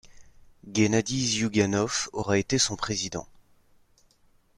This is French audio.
Guennadi Ziouganov aura été son président.